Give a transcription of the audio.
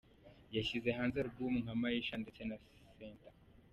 Yashyize hanze album nka ‘Maisha’ ndetse na ‘Senta’.